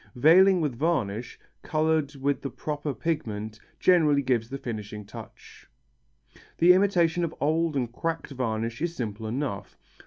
Veiling with varnish, coloured with the proper pigment, generally gives the finishing touch. The imitation of old and cracked varnish is simple enough.